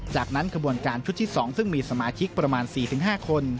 จากนั้นขบวนการชุดที่๒ซึ่งมีสมาชิกประมาณ๔๕คน